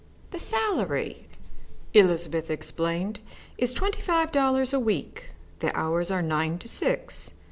"The salary," Elizabeth explained, "is twenty five dollars a week. The hours are nine to six.